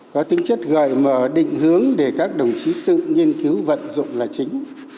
có tính chất gợi mở định hướng để các đồng chí tự nghiên cứu vận dụng là chính